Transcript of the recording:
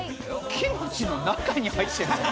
キムチの中に入ってるの？